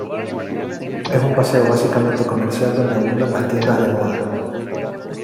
Es un paseo básicamente comercial donde abundan las tiendas de moda.